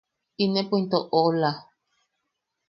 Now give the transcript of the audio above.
Inepo into oʼola.